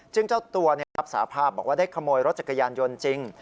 ซึ่งเจ้าตัวรับสาภาพบอกว่าได้ขโมยรถจักรยานยนต์จริง